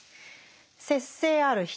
節制ある人